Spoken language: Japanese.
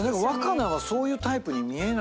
なんそういうタイプに見えない。